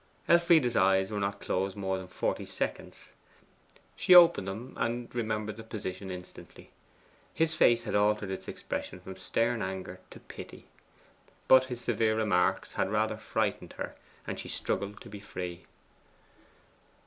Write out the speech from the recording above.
Elfride's eyes were not closed for more than forty seconds. She opened them, and remembered the position instantly. His face had altered its expression from stern anger to pity. But his severe remarks had rather frightened her, and she struggled to be free.